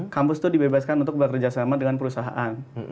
kampus itu dibebaskan untuk bekerjasama dengan perusahaan